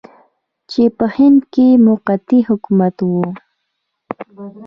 چې په هند کې موقتي حکومت و.